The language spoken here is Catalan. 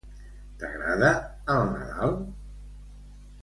T'agrada el Nadal?